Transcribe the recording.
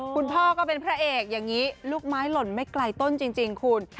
คุณพ่อก็เป็นพระเอกอย่างนี้ลูกไม้หล่นไม่ไกลต้นจริงคุณ